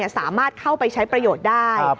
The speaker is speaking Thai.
สามารถเข้าไปใช้ประโยชน์ได้